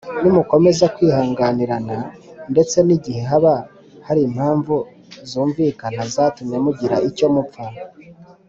nimukomeza kwihanganirana ndetse n igihe haba hari impamvu zumvikana zatumye mugira icyo mupfa